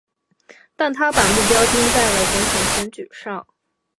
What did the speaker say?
但他把目标定在了总统选举上。